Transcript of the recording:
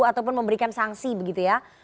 ataupun memberikan sanksi begitu ya